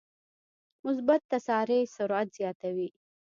مثبت تسارع سرعت زیاتوي.